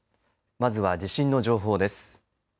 まずは地震の情報です。